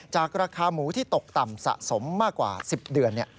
ราคาหมูที่ตกต่ำสะสมมากกว่า๑๐เดือน